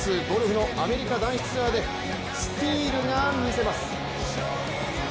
ゴルフのアメリカ男子ツアーでスティールが見せます。